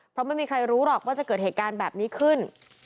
เพราะไม่มีใครรู้หรอกว่าจะเกิดเหตุการณ์แบบนี้ขึ้น